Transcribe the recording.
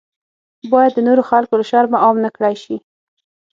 باید د نورو خلکو له شرمه عام نکړای شي.